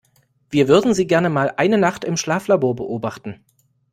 Wir würden Sie gerne mal eine Nacht im Schlaflabor beobachten.